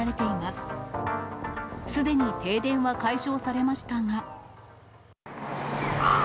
すでに停電は解消されましたが。